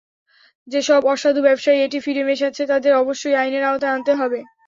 যেসব অসাধু ব্যবসায়ী এটি ফিডে মেশাচ্ছে, তাদের অবশ্যই আইনের আওতায় আনতে হবে।